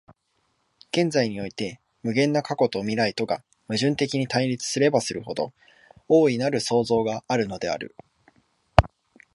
現在において無限の過去と未来とが矛盾的に対立すればするほど、大なる創造があるのである。